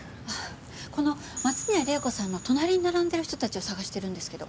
この松宮玲子さんの隣に並んでいる人たちを捜してるんですけど。